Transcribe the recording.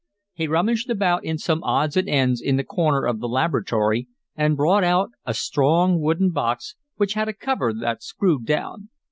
He rummaged about in some odds and ends in the corner of the laboratory, and brought out a strong, wooden box, which had a cover that screwed down.